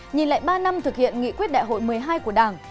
nhìn lại ba năm thực hiện nghị quyết đại hội một mươi hai của đảng